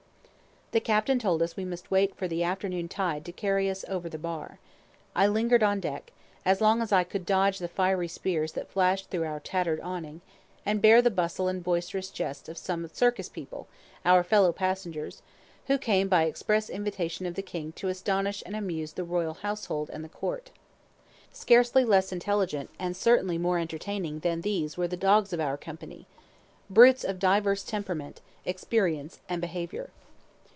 The captain told us we must wait for the afternoon tide to carry us over the bar. I lingered on deck, as long as I could dodge the fiery spears that flashed through our tattered awning, and bear the bustle and the boisterous jests of some circus people, our fellow passengers, who came by express invitation of the king to astonish and amuse the royal household and the court. Scarcely less intelligent, and certainly more entertaining, than these were the dogs of our company, ? brutes of diverse temperament, experience, and behavior.